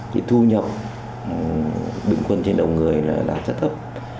thì thu nhập bình quân trên đầu người là đạt chất thấp